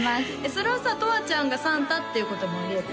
それはさとわちゃんがサンタっていうこともあり得るの？